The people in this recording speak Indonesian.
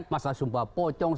masalah sumpah pocong